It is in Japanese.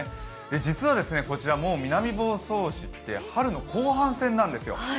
実はこちら、もう南房総市って春の後半戦なんですよ。